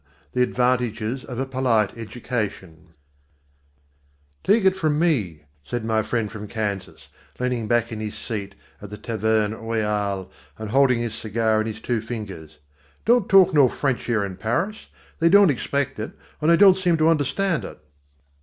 The Advantages of a Polite Education_ "TAKE it from me," said my friend from Kansas, leaning back in his seat at the Taverne Royale and holding his cigar in his two fingers "don't talk no French here in Paris. They don't expect it, and they don't seem to understand it."